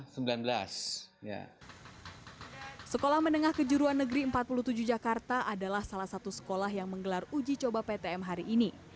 sekolah menengah kejuruan negeri empat puluh tujuh jakarta adalah salah satu sekolah yang menggelar uji coba ptm hari ini